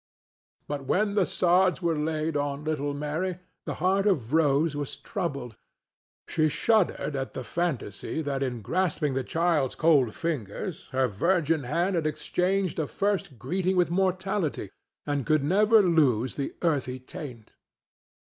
But when the sods were laid on little Mary, the heart of Rose was troubled. She shuddered at the fantasy that in grasping the child's cold fingers her virgin hand had exchanged a first greeting with mortality and could never lose the earthy taint.